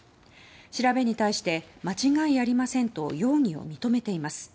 調べに対して間違いありませんと容疑を認めています。